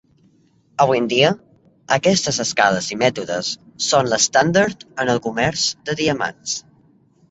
Avui en dia, aquestes escales i mètodes són l'estàndard en el comerç de diamants.